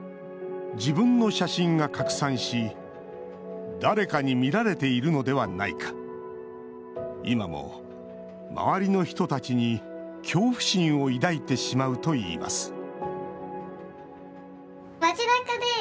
自分の写真が拡散し誰かに見られているのではないか今も周りの人たちに恐怖心を抱いてしまうといいます